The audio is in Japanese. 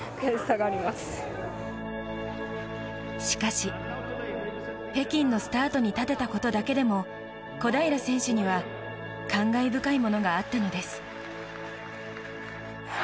しかし、北京のスタートに立てたことだけでも小平選手には感慨深いものがあったのです。